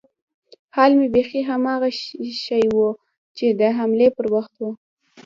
حال مې بيخي هماغه شى و چې د حملې پر وخت و.